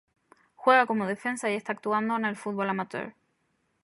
Juega como defensa y está actuando en el fútbol amateur.